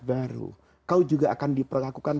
baru kau juga akan diperlakukan